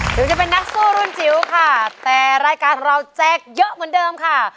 ถึงจะเป็นนักสู้รุ่นจิ๋วค่ะแต่รายการของเราแจกเยอะเหมือนเดิมค่ะ